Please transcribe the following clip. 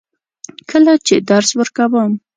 کله چې درس ورکوم.